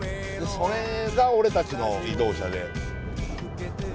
それが俺たちの移動車で懐かしいね